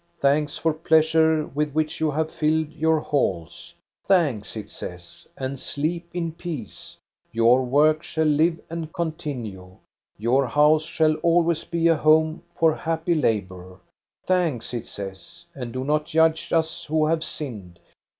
Thanks for pleasure, with which you have filled your halls !'—' Thanks, ' it says, * and sleep in peace! Your work shall live and continue. Your house shall always be a home for happy labor. '—* Thanks, ' it says, ' and do not judge us who have sinned